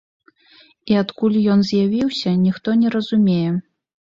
І адкуль ён з'явіўся, ніхто не разумее.